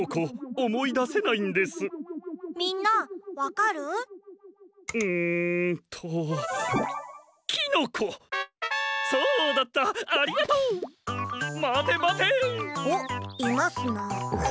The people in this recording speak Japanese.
おっいますなあ。